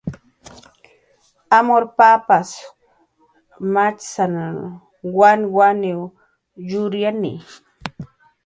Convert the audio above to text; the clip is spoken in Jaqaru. Amur papas machsana, wanwaniw yuryani.